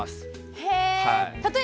へえ。